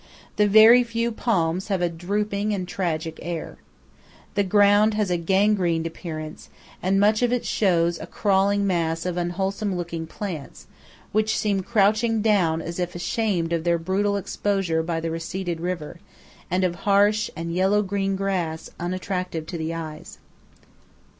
The very few palms have a drooping and tragic air. The ground has a gangrened appearance, and much of it shows a crawling mass of unwholesome looking plants, which seem crouching down as if ashamed of their brutal exposure by the receded river, and of harsh and yellow green grass, unattractive to the eyes.